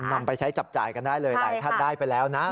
นำไปใช้จับจ่ายกันได้เลยหลายท่านได้ไปแล้วนะ